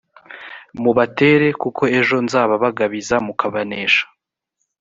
mubatere kuko ejo nzababagabiza mukabanesha